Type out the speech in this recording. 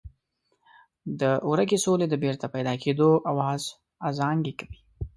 د ورکې سولې د بېرته پیدا کېدو آواز ازانګې کوي.